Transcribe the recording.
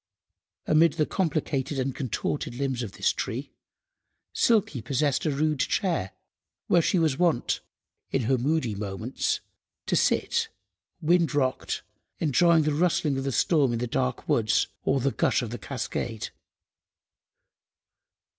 Amid the complicated and contorted limbs of this tree, Silky possessed a rude chair, where she was wont, in her moody moments, to sit—wind–rocked—enjoying the rustling of the storm in the dark woods, or the gush of the cascade.